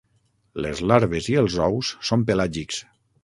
Les larves i els ous són pelàgics.